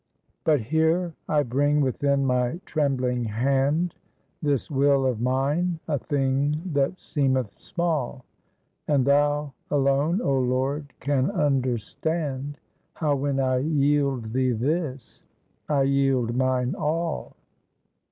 "But here I bring within my trembling hand, This will of mine, a thing that seemeth small, And Thou alone, O Lord, can understand, How when I yield Thee this, I yield mine all."